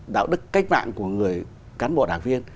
đạo đức cách mạng của người cán bộ đảng viên